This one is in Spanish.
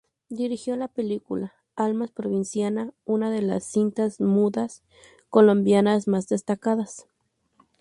Dirigió la película "Alma provinciana", una de las cintas mudas colombianas más destacadas.